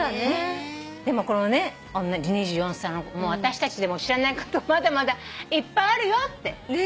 でもこのね２４歳の子も私たちでも知らないことまだまだいっぱいあるよって。ね！